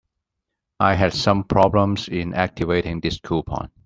I had some problems in activating this coupon.